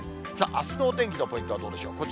あすのお天気のポイントはどうでしょう。